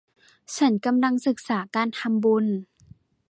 ฉันกำลังศีกษาการทำบุญ